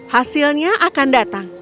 hasilnya akan datang